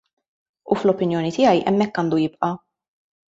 U fl-opinjoni tiegħi hemmhekk għandu jibqa'.